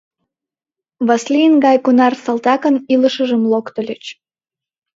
Васлийын гай кунар салтакын илышыжым локтыльыч!